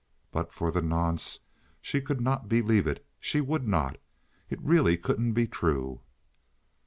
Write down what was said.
But for the nonce she could not believe it; she would not. It really couldn't be true.